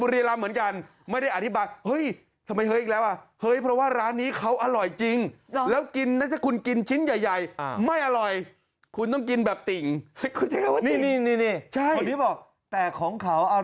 เดี๋ยวนี้เขาอร่อยจริงแล้วคุณกินชิ้นใหญ่ไม่อร่อยคุณต้องกินแบบติ่ง